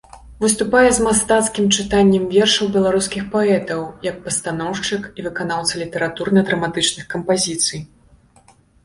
Выступае з мастацкім чытаннем вершаў беларускіх паэтаў, як пастаноўшчык і выканаўца літаратурна-драматычных кампазіцый.